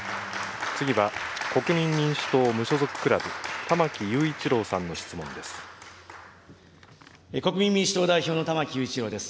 次は国民民主党・無所属クラブ、玉木雄一郎さんの質問です。